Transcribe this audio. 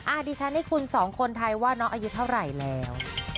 ดิฉันให้คุณสองคนไทยว่าน้องอายุเท่าไหร่แล้ว